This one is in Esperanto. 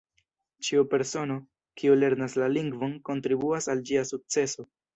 Ĉiu persono, kiu lernas la lingvon, kontribuas al ĝia sukceso.